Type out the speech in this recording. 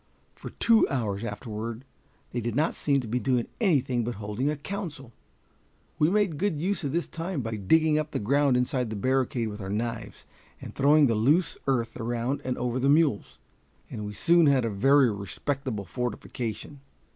For two hours afterward they did not seem to be doing anything but holding a council. We made good use of this time by digging up the ground inside the barricade with our knives, and throwing the loose earth around and over the mules, and we soon had a very respectable fortification.